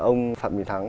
ông phạm bình thắng